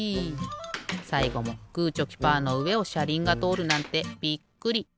さいごもグーチョキパーのうえをしゃりんがとおるなんてびっくり。